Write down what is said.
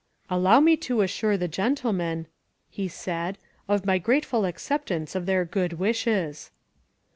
'^Allow me to assure the gentlemen," he said, ^^of my grateful acceptance of their good wishes.